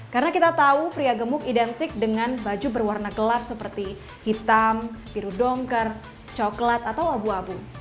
karena kita tahu pria gemuk identik dengan baju berwarna gelap seperti hitam biru donker coklat atau abu abu